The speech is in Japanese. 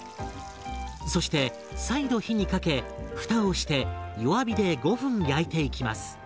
そして再度火にかけ蓋をして弱火で５分焼いていきます。